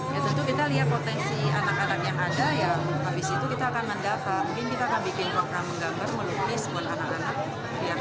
ya tentu kita lihat potensi anak anak yang ada ya habis itu kita akan mendata mungkin kita akan bikin program menggambar melukis buat anak anak